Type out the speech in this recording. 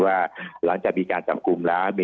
ท่านรองโฆษกครับ